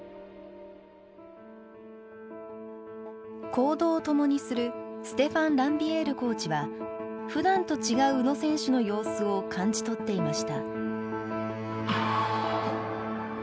行動を共にするステファン・ランビエールコーチはふだんと違う宇野選手の様子を感じ取っていました。